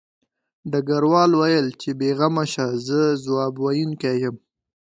ډګروال وویل چې بې غمه شه زه ځواب ویونکی یم